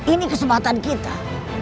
ini kesempatan kita